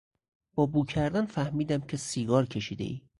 با بو کردن فهمیدم که سیگار کشیدهای.